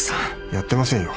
やってませんよ